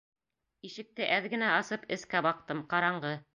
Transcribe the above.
Ишекте әҙ генә асып эскә баҡтым, ҡараңғы.